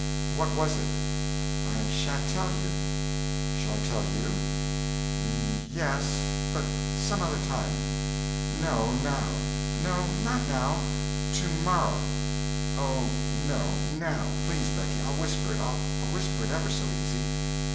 "What was it?" "I sha'n't tell you." "Shall I tell you?" "Ye—yes—but some other time." "No, now." "No, not now—to morrow." "Oh, no, now. Please, Becky—I'll whisper it, I'll whisper it ever so easy."